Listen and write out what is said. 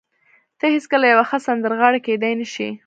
ته هېڅکله یوه ښه سندرغاړې کېدای نشې